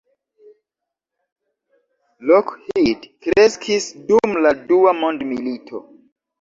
Lockheed kreskis dum la Dua mondmilito.